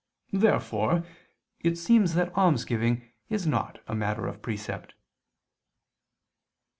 Therefore it seems that almsgiving is not a matter of precept.